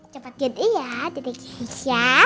cepet gitu ya titipin keisha